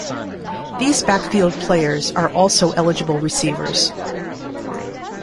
These backfield players are also eligible receivers.